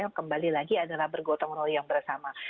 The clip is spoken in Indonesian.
yang kembali lagi adalah bergotong royong bersama